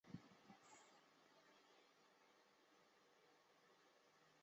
其目前为中的效力。